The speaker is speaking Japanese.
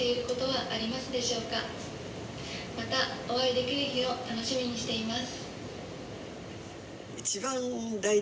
「またお会いできる日を楽しみにしています」。